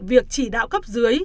việc chỉ đạo cấp dưới